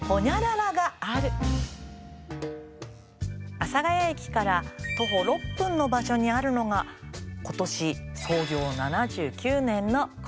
阿佐ヶ谷駅から徒歩６分の場所にあるのが今年創業７９年のこちら。